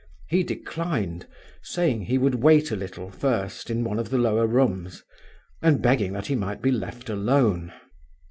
He declined, saying he would wait a little first in one of the lower rooms, and begging that he might be left alone.